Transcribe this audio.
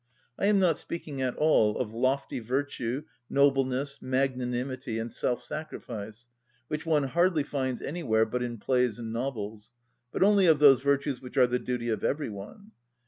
I am not speaking at all of lofty virtue, nobleness, magnanimity, and self‐ sacrifice, which one hardly finds anywhere but in plays and novels, but only of those virtues which are the duty of every one.